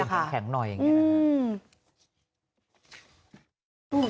แข็งหน่อยอย่างนี้นะครับ